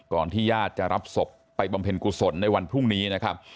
ที่ญาติจะรับศพไปบำเพ็ญกุศลในวันพรุ่งนี้นะครับ